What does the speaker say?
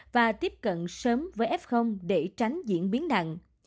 và tiếp cận sớm với f để tránh diễn biến nặng